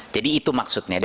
jadi itu maksudnya